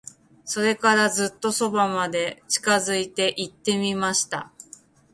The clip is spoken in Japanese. それから、ずっと側まで近づいて行ってみました。